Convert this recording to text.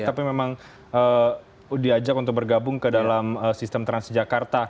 tapi memang diajak untuk bergabung ke dalam sistem transjakarta